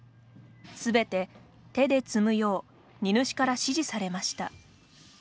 すべて手で積むよう荷主から指示されました。